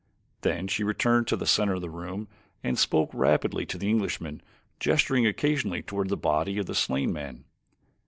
Then she returned to the center of the room and spoke rapidly to the Englishman, gesturing occasionally toward the body of the slain man.